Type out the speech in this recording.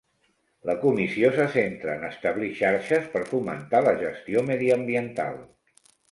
La comissió se centra en establir xarxes per fomentar la gestió mediambiental.